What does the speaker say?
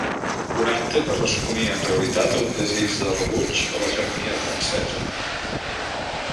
Una acta que responia en realitat a un desig de rebuig a l'hegemonia francesa.